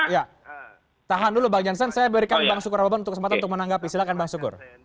ya tahan dulu bang jansen saya berikan bang syukur raboban kesempatan untuk menanggapi silahkan bang syukur